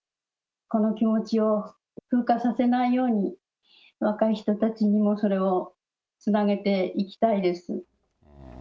この気持ちを風化させないように、若い人たちにもそれをつなげていきたいです。